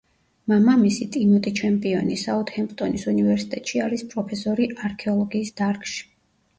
მამამისი, ტიმოტი ჩემპიონი, საუთჰემპტონის უნივერსიტეტში არის პროფესორი არქეოლოგიის დარგში.